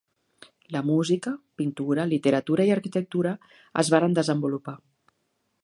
La música, pintura, literatura i arquitectura es varen desenvolupar.